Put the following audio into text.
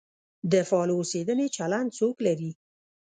د فعال اوسېدنې چلند څوک لري؟